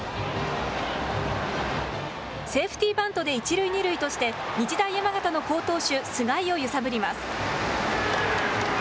セーフティーバントで一塁二塁として日大山形の好投手、菅井を揺さぶります。